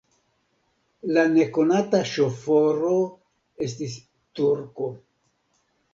La nekonata ŝoforo estis turko.